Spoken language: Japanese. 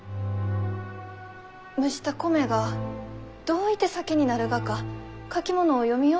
蒸した米がどういて酒になるがか書き物を読みよってもふに落ちません。